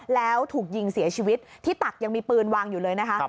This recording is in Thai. แล้วถูกยิงเสียชีวิตที่ตักยังมีปืนวางอยู่เลยนะคะ